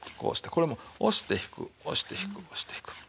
これも押して引く押して引く押して引く。